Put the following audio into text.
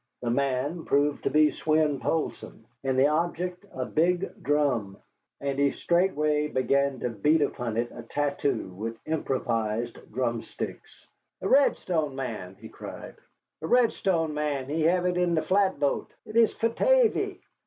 The man proved to be Swein Poulsson, and the object a big drum, and he straightway began to beat upon it a tattoo with improvised drumsticks. "A Red Stone man," he cried, "a Red Stone man, he have it in the flatboat. It is for Tavy."